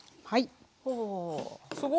はい。